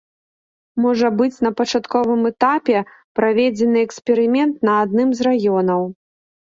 Можа быць на пачатковым этапе праведзены эксперымент на адным з раёнаў.